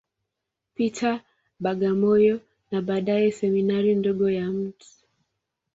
Peter, Bagamoyo, na baadaye Seminari ndogo ya Mt.